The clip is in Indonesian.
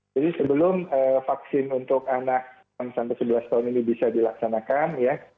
jadi sebelum vaksin untuk anak enam sebelas tahun ini bisa dilaksanakan